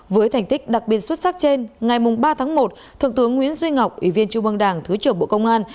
với thành tích đặc biệt xuất sắc trên ngày ba tháng một thượng tướng nguyễn duy ngọc ủy viên trung băng đảng thứ trưởng bộ công an